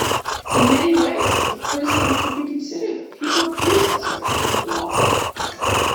In many ways, the perzine could be considered the paper predecessor to the blog.